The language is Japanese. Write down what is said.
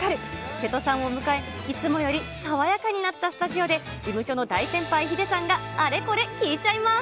瀬戸さんを迎え、いつもより爽やかになったスタジオで、事務所の大先輩、ヒデさんがあれこれ聞いちゃいます。